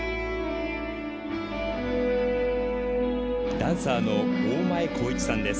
ダンサーの大前光市さんです。